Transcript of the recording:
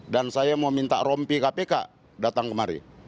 dan saya mau minta rompi kpk datang kemari